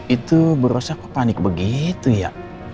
itu berasa kok panik begitu ya